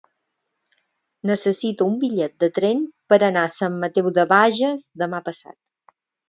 Necessito un bitllet de tren per anar a Sant Mateu de Bages demà passat.